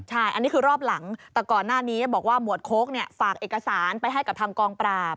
ใช่อันนี้คือรอบหลังแต่ก่อนหน้านี้บอกว่าหมวดโค้กฝากเอกสารไปให้กับทางกองปราบ